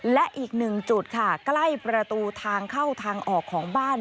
และอีกหนึ่งจุดค่ะใกล้ประตูทางเข้าทางออกของบ้าน